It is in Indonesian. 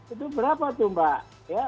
itu berapa tuh mbak